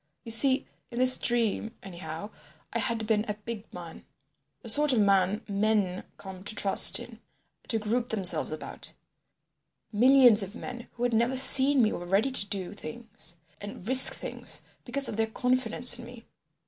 You see—in this dream, anyhow—I had been a big man, the sort of man men come to trust in, to group themselves about. Millions of men who had never seen me were ready to do things and risk things because of their confidence in me.